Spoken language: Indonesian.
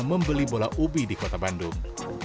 membeli bola ubi di kota bandung